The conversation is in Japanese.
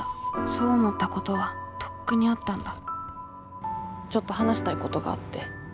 そう思ったことはとっくにあったんだちょっと話したいことがあって。